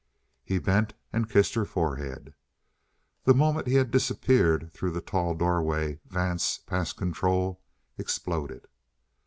He bent and kissed her forehead. The moment he had disappeared through the tall doorway, Vance, past control, exploded.